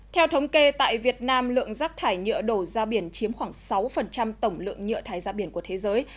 theo thống kê tại việt nam lượng rác thải nhựa đổ ra biển chiếm khoảng sáu tổng lượng nhựa thải ra biển của thế giới